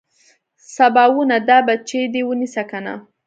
سباوونه دا بچي دې ونيسه کنه.